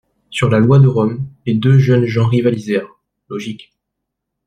Sur la loi de Rome, les deux jeunes gens rivalisèrent, logiques.